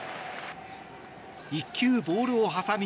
１球ボールを挟み